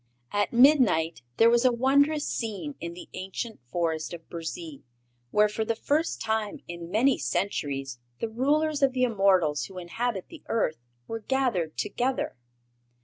At midnight there was a wondrous scene in the ancient Forest of Burzee, where for the first time in many centuries the rulers of the immortals who inhabit the earth were gathered together.